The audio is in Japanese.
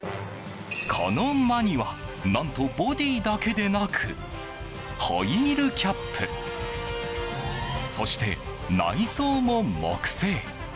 この「真庭」何とボディーだけでなくホイールキャップそして内装も木製。